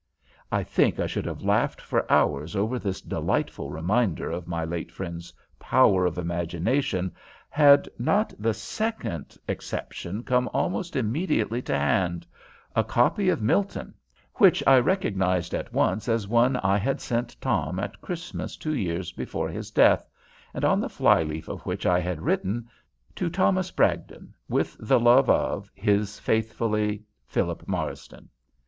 I think I should have laughed for hours over this delightful reminder of my late friend's power of imagination had not the second exception come almost immediately to hand a copy of Milton, which I recognized at once as one I had sent Tom at Christmas two years before his death, and on the fly leaf of which I had written, "To Thomas Bragdon, with the love of, his faithfully, Philip Marsden."